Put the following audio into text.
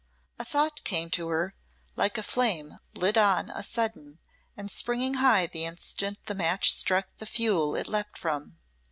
A thought came to her like a flame lit on a sudden, and springing high the instant the match struck the fuel it leaped from.